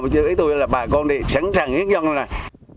nhưng theo ý tôi là bà con đây sẵn sàng hiến dân rồi này